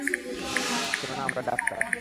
কেননা আমরা ডাক্তার!